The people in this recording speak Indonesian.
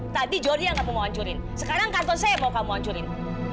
tadi jody yang kamu mau hancurin sekarang kantor saya yang mau kamu hancurin